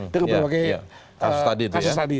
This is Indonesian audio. dengan berbagai kasus tadi